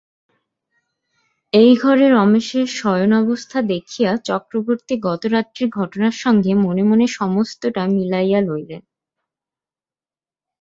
এই ঘরে রমেশের শয়নাবস্থা দেখিয়া চক্রবর্তী গতরাত্রির ঘটনার সঙ্গে মনে মনে সমস্তটা মিলাইয়া লইলেন।